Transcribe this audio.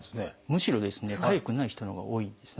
むしろかゆくない人のほうが多いですね。